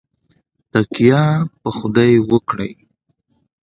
تککیه په خدای وکړئ